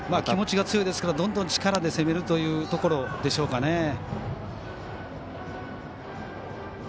気持ちが強いですからどんどん力で攻めるというところでしょうかね。